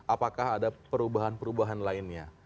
apakah ada perubahan perubahan lainnya